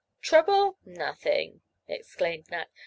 "Trouble? Nothing!" exclaimed Nat.